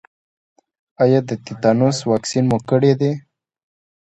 ایا د تیتانوس واکسین مو کړی دی؟